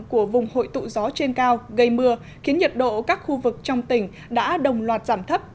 của vùng hội tụ gió trên cao gây mưa khiến nhiệt độ các khu vực trong tỉnh đã đồng loạt giảm thấp